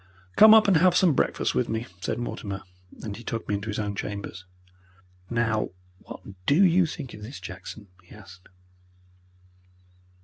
"Come up and have some breakfast with me," said Mortimer, and he took me into his own chambers. "Now, what DO you think of this, Jackson?" he asked.